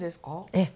ええ。